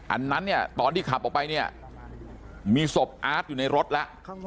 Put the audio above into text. อันนั้นเนี่ยตอนที่ขับออกไปเนี่ยมีศพอาร์ตอยู่ในรถแล้ว